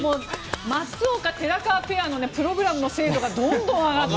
松岡・寺川ペアのプログラムの精度がどんどん上がって。